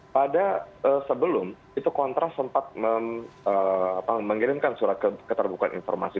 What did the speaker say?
pada sebelum itu kontras sempat mengirimkan surat keterbukaan informasi